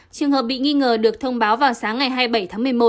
trường hợp bị nghi ngờ được thông báo vào sáng ngày hai mươi bảy tháng một mươi một